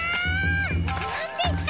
なんですか？